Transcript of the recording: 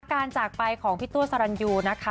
จากไปของพี่ตัวสรรยูนะคะ